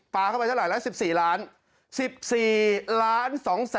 เข้าไปเท่าไหร่แล้ว๑๔ล้าน